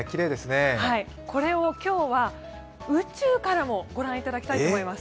これを今日は宇宙からも御覧いただきたいと思います。